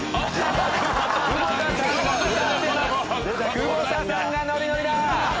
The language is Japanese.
久保田さんがノリノリだ！